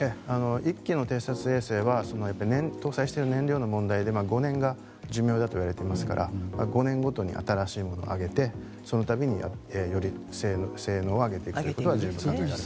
１機の偵察衛星は搭載している燃料の問題で５年が寿命だといわれてますから５年ごとに新しいものを上げてそのたびに、より性能を上げていくことは可能だと思われます。